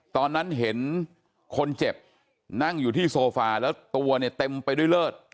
ตอนนั้นเห็นคนเจ็บนั่งอยู่ที่โซฟาแล้วตัวเนี่ยเต็มไปด้วยเลิศ